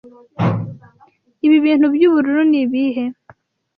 Ibi bintu byubururu ni ibihe?